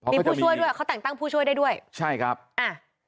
มีผู้ช่วยด้วยเขาแต่งตั้งผู้ช่วยได้ด้วยใช่ครับอ่า